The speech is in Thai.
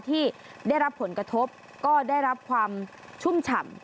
ที่ได้รับผลกระทบก็ได้รับความชุ่มฉ่ำ